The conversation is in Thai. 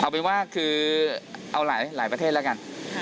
เอาเป็นว่าคือเอาหลายประเทศแล้วกัน